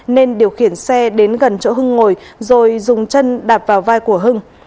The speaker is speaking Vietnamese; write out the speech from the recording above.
nên điều khiển xe đến gần chỗ hưng ngồi rồi dùng chân đạp vào vai của hưng